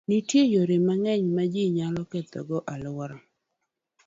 Nitie yore mang'eny ma ji nyalo ketho go alwora.